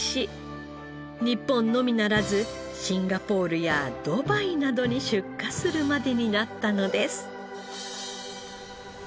日本のみならずシンガポールやドバイなどに出荷するまでになったのです。